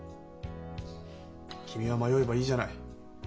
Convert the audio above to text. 君は迷えばいいじゃない。